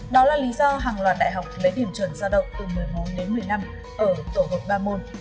đó là lý do hàng loạt đại học lấy điểm chuẩn giao động từ một mươi bốn đến một mươi năm ở tổ hợp ba môn